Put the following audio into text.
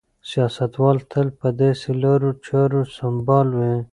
سیاستوال تل په داسې لارو چارو سمبال وي.